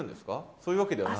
そういうわけではない？